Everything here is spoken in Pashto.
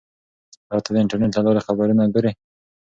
آیا ته د انټرنیټ له لارې خبرونه ګورې؟